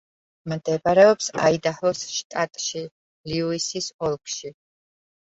მდებარეობს აიდაჰოს შტატში, ლიუისის ოლქში.